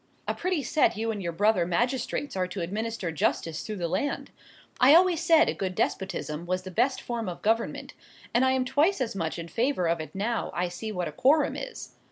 A pretty set you and your brother magistrates are to administer justice through the land! I always said a good despotism was the best form of government; and I am twice as much in favour of it now I see what a quorum is!